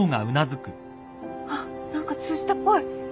あっ何か通じたっぽい！